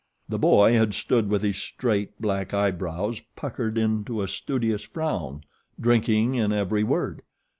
The boy had stood with his straight, black eyebrows puckered into a studious frown, drinking in every word.